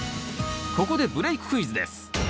ここでブレーククイズです。